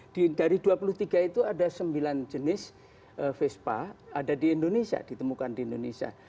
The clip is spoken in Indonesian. di dari dua puluh tiga itu ada sembilan jenis vespa ada di indonesia ditemukan di indonesia